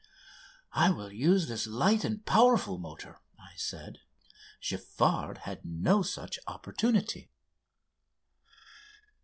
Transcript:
"I will use this light and powerful motor," I said. "Giffard had no such opportunity."